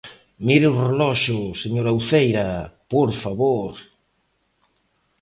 Mire o reloxo, señora Uceira, ¡por favor!